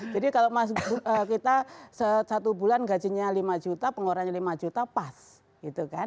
jadi kalau kita satu bulan gajinya lima juta pengeluaran lima juta pas gitu kan